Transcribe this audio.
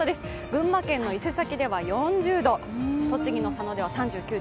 群馬県の伊勢崎では４０度栃木の佐野では３９．６度。